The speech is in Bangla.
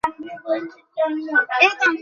আপনি যান, স্যার।